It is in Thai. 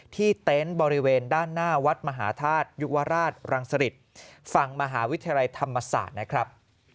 เต็นต์บริเวณด้านหน้าวัดมหาธาตุยุวราชรังสริตฝั่งมหาวิทยาลัยธรรมศาสตร์นะครับ